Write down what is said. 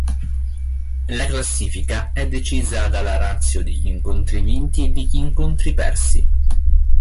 La classifica è decisa dalla ratio degli incontri vinti e degli incontri persi.